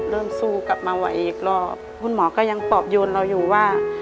สู้กลับมาไหวอีกรอบคุณหมอก็ยังปอบโยนเราอยู่ว่า